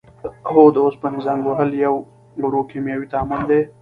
هو د اوسپنې زنګ وهل یو ورو کیمیاوي تعامل دی.